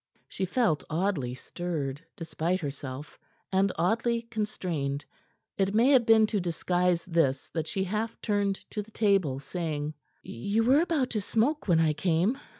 She felt oddly stirred, despite herself, and oddly constrained. It may have been to disguise this that she half turned to the table, saying: "You were about to smoke when I came."